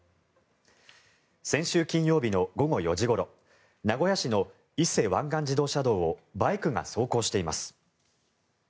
先週金曜日の午後４時ごろ名古屋市の伊勢湾岸自動車道をバイクが走行しています。